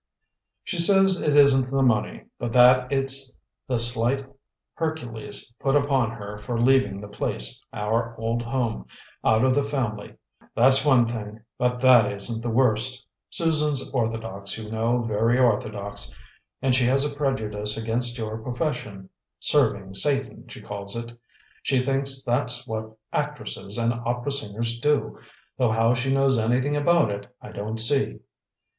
"She says it isn't the money, but that it's the slight Hercules put upon her for leaving the place, our old home, out of the family. That's one thing; but that isn't the worst. Susan's orthodox, you know, very orthodox; and she has a prejudice against your profession serving Satan, she calls it. She thinks that's what actresses and opera singers do, though how she knows anything about it, I don't see."